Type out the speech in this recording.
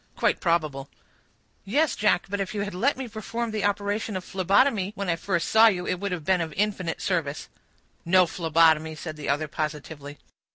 "Quite probable." "Yes, Jack, but if you had let me perform the operation of phlebotomy when I first saw you, it would have been of infinite service." "No phlebotomy," said the other, positively.